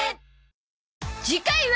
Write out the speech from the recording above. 次回は